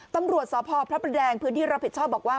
ตำรวจสพพระประแดงพื้นที่รับผิดชอบบอกว่า